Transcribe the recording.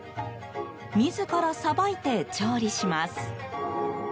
自らさばいて調理します。